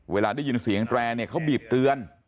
เวลาได้ยินเสียงแตรเนี่ยเขาบีบเตือน